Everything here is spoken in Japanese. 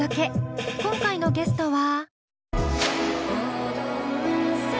今回のゲストは？